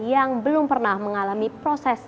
yang belum pernah mengalami proses